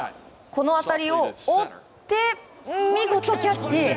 この当たりを追って見事キャッチ！